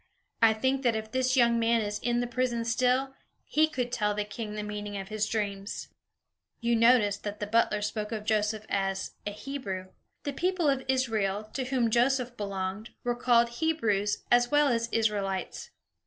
I think that if this young man is in the prison still, he could tell the king the meaning of his dreams." You notice that the butler spoke of Joseph as "a Hebrew." The people of Israel, to whom Joseph belonged, were called Hebrews as well as Israelites.